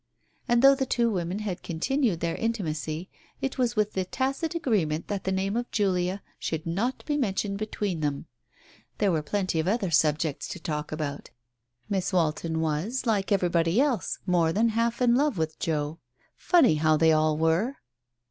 And though the two women had con tinued their intimacy, it was with the tacit agreement that the name of Julia should not be mentioned between them. There were plenty of other subjects to talk about. Miss Walton was, like everybody else, more than half in love with Joe. ... Funny how they all were